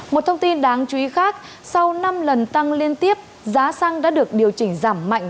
một thông tin đáng chú ý khác sau năm lần tăng liên tiếp giá xăng đã được điều chỉnh giảm mạnh